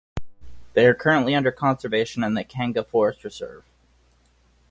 They are currently under conservation in the Kanga Forest Reserve.